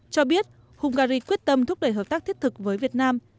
cho biết hungary quyết tâm thúc đẩy hợp tác thiết thực với việt nam